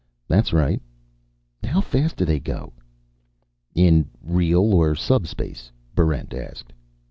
"That's right." "How fast do they go?" "In real or subspace?" Barrent asked.